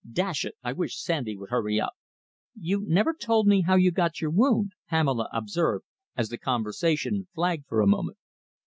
Dash it, I wish Sandy would hurry up!" "You never told me how you got your wound," Pamela observed, as the conversation flagged for a moment.